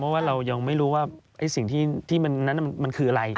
เพราะว่าเรายังไม่รู้ว่าสิ่งที่มันนั้นมันคืออะไร